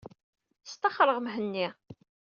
Staxreɣ Mhenni.